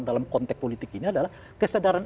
dalam konteks politik ini adalah kesadaran